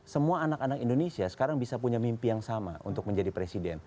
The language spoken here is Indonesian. semua anak anak indonesia sekarang bisa punya mimpi yang sama untuk menjadi presiden